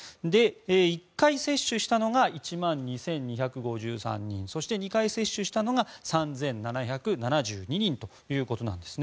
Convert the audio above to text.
１回接種したのが１万２２５３人そして２回接種したのが３７７２人ということなんです。